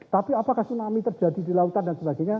tapi apakah tsunami terjadi di lautan dan sebagainya